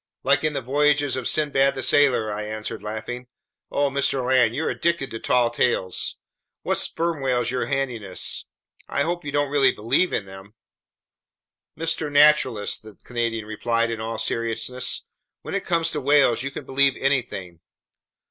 "Like in the voyages of Sinbad the Sailor," I answered, laughing. "Oh, Mr. Land, you're addicted to tall tales! What sperm whales you're handing us! I hope you don't really believe in them!" "Mr. Naturalist," the Canadian replied in all seriousness, "when it comes to whales, you can believe anything!